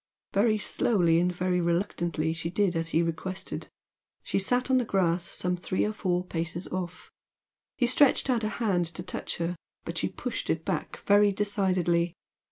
Very slowly and very reluctantly she did as he requested. She sat on the grass some three or four paces off. He stretched out a hand to touch her, but she pushed it back very decidedly.